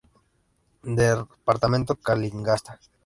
Departamento Calingasta